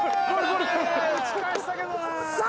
打ち返したけどなあ。